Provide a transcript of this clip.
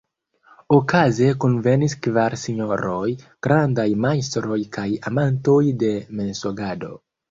Okaze kunvenis kvar sinjoroj, grandaj majstroj kaj amantoj de mensogado.